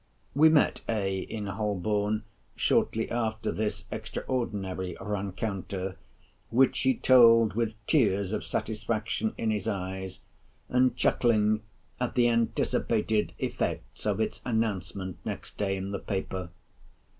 We met A. in Holborn shortly after this extraordinary rencounter, which he told with tears of satisfaction in his eyes, and chuckling at the anticipated effects of its announcement next day in the paper.